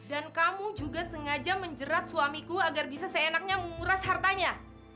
dan kamu juga sengaja menjerat suamiku agar bisa seenaknya menguras hartanya